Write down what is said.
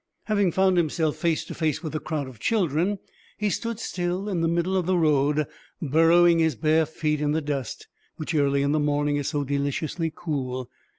Having found himself face to face with the crowd of children, he stood still in the middle of the road, burrowing his bare feet in the dust, which early in the morning is so deliciously cool.